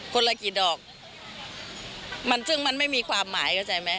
คนละกี่ดอกซึ่งมันไม่มีความหมาย